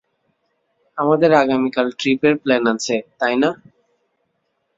আমাদের আগামীকাল ট্রিপের প্ল্যান আছে, তাই না?